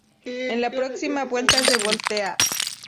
En la próxima vuelta, se voltea.